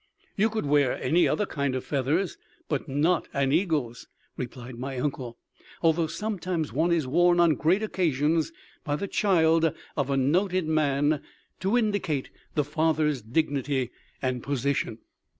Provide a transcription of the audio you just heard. "You could wear any other kind of feathers, but not an eagle's," replied my uncle, "although sometimes one is worn on great occasions by the child of a noted man, to indicate the father's dignity and position."